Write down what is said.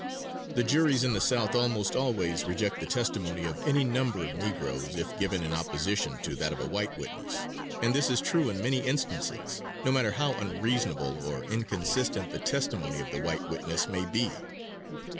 The juries in the South almost always reject the testimony of any number of negroes if given in opposition to that of a white witness, and this is true in many instances, no matter how unreasonable or inconsistent the testimony of the white witness may be.